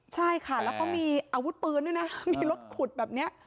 ใช่ค่ะแล้วเขามีอาวุธปืนด้วยนะมีรถขุดแบบนี้